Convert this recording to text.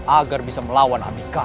agar bisa melawan abikara